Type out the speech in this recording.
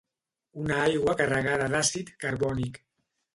Una aigua carregada d'àcid carbònic.